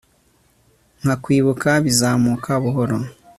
Nka kwibuka bizamuka buhoro